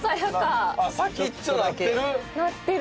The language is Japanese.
先っちょなってる！